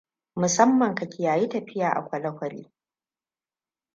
musamman ka kiyayi tafiya a kwale-kwale.